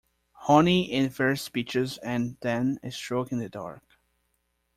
Honey and fair speeches, and then a stroke in the dark.